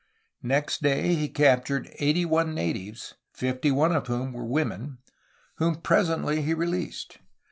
Next day he captured eighty one natives, fifty one of whom were women, whom presently he released.